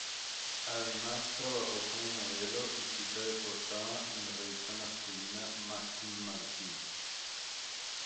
Además trabajó como modelo y chica de portada en la revista masculina "Maxim Magazine".